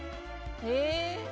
へえ。